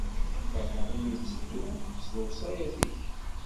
Ferḥeɣ imi i ttedduɣ s lewṣayat-ik.